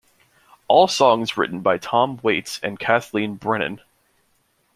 All songs written by Tom Waits and Kathleen Brennan.